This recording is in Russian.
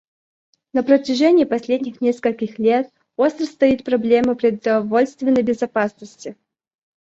На протяжении последних нескольких лет остро стоит проблема продовольственной безопасности.